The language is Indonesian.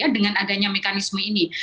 dengan adanya mekanisme ini